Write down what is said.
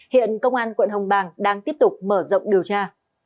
hiện công an quận hồng bàng đang tiếp tục mở rộng điều tra